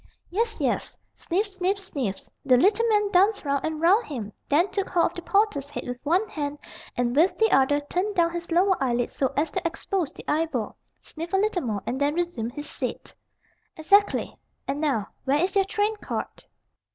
"Yes, yes." Sniff, sniff, sniff, the little man danced round and round him, then took hold of the porter's head with one hand, and with the other turned down his lower eyelid so as to expose the eyeball, sniffed a little more, and then resumed his seat. "Exactly. And now, where is your train card?"